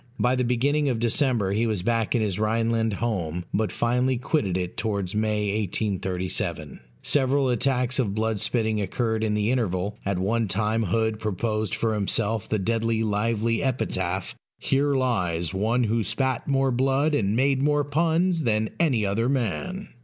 By the beginning of December he was back in his Rhineland home; but finally quitted it towards May, 1837. Several attacks of blood spitting occurred in the interval; at one time Hood proposed for himself the deadly lively epitaph, "Here lies one who spat more blood and made more puns than any other man."